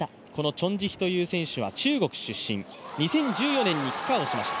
チョン・ジヒという選手は中国出身、２０１４年に帰化をしました。